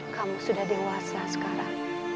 kamu sudah dewasa sekarang